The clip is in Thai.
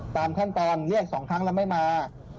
ตามขั้นตอนเรียก๒ครั้งแล้วไม่มา